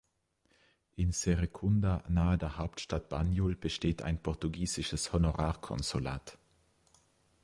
In Serekunda nahe der Hauptstadt Banjul besteht ein portugiesisches Honorarkonsulat.